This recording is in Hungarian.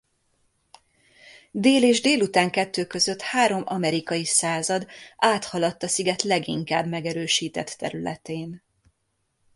Dél és délután kettő között három amerikai század áthaladt a sziget leginkább megerősített területén.